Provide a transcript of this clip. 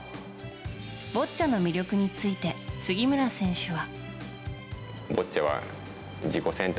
ボッチャの魅力について杉村選手は。